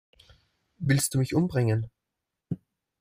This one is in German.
Willst du mich umbringen?